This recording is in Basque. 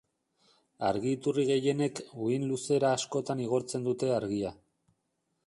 Argi iturri gehienek uhin-luzera askotan igortzen dute argia.